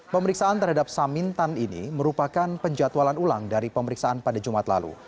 pemeriksaan terhadap samintan ini merupakan penjatualan ulang dari pemeriksaan pada jumat lalu